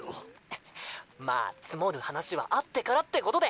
ふっまあ積もる話は会ってからってことで。